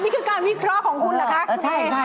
นี่คือการวิเคราะห์ของคุณเหรอคะคุณ